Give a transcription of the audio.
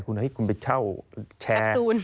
คุณเอาให้คุณไปเช่าแชร์